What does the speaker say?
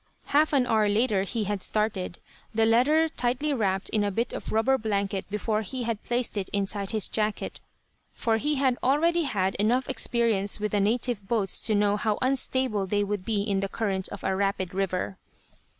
Half an hour later he had started, the letter tightly wrapped in a bit of rubber blanket before he had placed it inside his jacket, for he had already had enough experience with the native boats to know how unstable they would be in the current of a rapid river.